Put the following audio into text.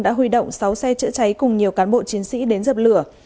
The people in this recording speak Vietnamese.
đã huy động sáu xe chữa cháy cùng nhiều cán bộ chiến sĩ đến dập lửa